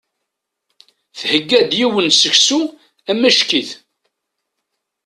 Thegga-d yiwen n seksu amacki-t.